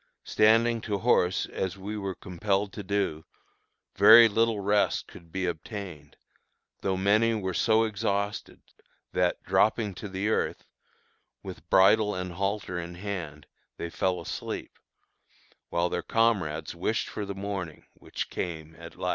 Standing to horse as we were compelled to do, very little rest could be obtained, though many were so exhausted, that, dropping to the earth, with bridle and halter in hand, they fell asleep, while their comrades wished for the morning, which came at last.